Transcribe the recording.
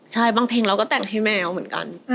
ใช่บางเพลงเราก็แต่งให้แมวเหมือนกัน